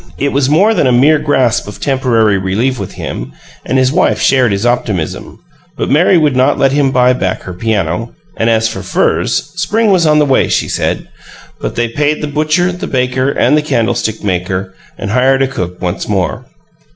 It was more than a mere gasp of temporary relief with him, and his wife shared his optimism; but Mary would not let him buy back her piano, and as for furs spring was on the way, she said. But they paid the butcher, the baker, and the candlestick maker, and hired a cook once more.